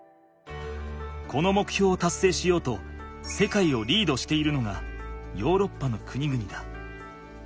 このもくひょうをたっせいしようと世界をリードしているのがヨーロッパの国々だ。